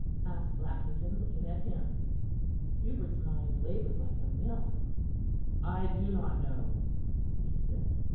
asked Lackington, looking at him. Hubert's mind laboured like a mill. "I do not know," he said.